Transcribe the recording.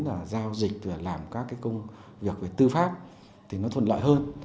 là giao dịch làm các cái công việc về tư pháp thì nó thuận lợi hơn